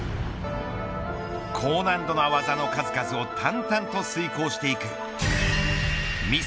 高難度な技の数々を淡々と遂行していくミス